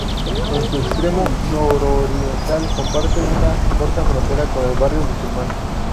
En su extremo nororiental comparte una corta frontera con el Barrio Musulmán.